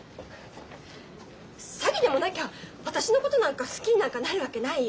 詐欺でもなきゃ私のことなんか好きになんかなるわけないよ。